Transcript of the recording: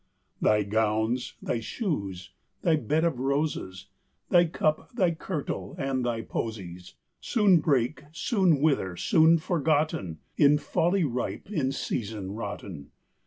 Thy gowns, thy shoes, thy bed of roses, Thy cup, thy kirtle, and thy posies, Soon break, soon wither, soon forgotten; In folly ripe, in reason rotten.